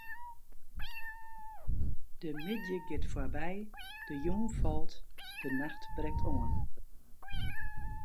De middei giet foarby, de jûn falt, de nacht brekt oan.